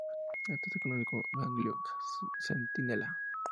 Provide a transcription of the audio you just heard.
Este se conoce como 'ganglio centinela'.